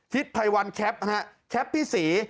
ทิศไทยวันแคปแคปพี่สี